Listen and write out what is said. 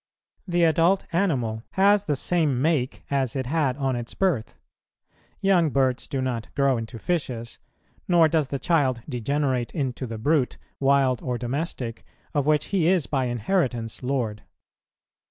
The adult animal has the same make, as it had on its birth; young birds do not grow into fishes, nor does the child degenerate into the brute, wild or domestic, of which he is by inheritance lord.